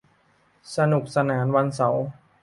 สนุกสนานวันเสาร์